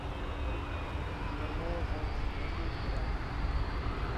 نومواوصفتوکي راځي